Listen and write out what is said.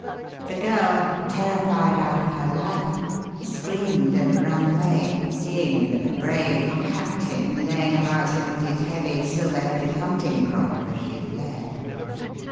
"The girl, terrified out of her life, screamed and ran away, seeing the brave captain laying about him with his heavy, silver headed hunting crop as she fled.